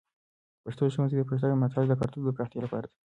پښتو د ښونځي د پروژو ملاتړ د کلتور د پراختیا لپاره ده.